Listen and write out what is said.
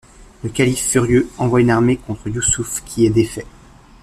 Le Calife, furieux, envoie une armée contre Yousouf, qui est défait.